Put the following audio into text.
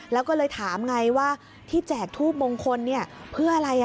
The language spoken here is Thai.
แล้วก็เลยถามไงว่าที่แจกทูบมงคลเพื่ออะไร